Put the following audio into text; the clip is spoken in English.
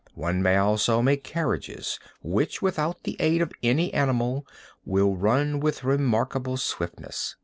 One may also make carriages which without the aid of any animal will run with remarkable swiftness."